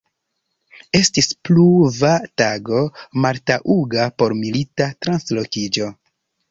Estis pluva tago, maltaŭga por milita translokiĝo.